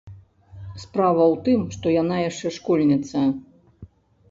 Справа ў тым, што яна яшчэ школьніца.